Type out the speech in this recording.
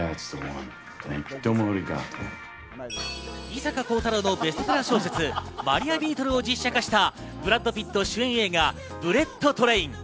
伊坂幸太郎のベストセラー小説『マリアビートル』を実写化したブラッド・ピット主演映画『ブレット・トレイン』。